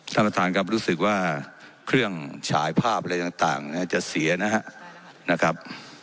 ท่านประธานครับรู้สึกว่าเครื่องฉายภาพอะไรต่างจะเสียนะครับ